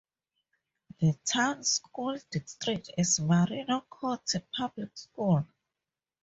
The town's school district is Marion County Public Schools.